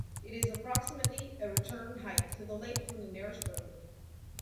It is approximately a return hike to the lake from the nearest road.